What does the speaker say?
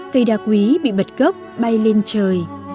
cây đa quý bị bật gốc bay lên trời